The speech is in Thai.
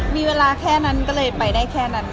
มีเวลาแค่นั้นก็เลยไปได้แค่นั้น